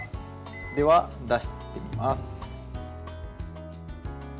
では、出していきます。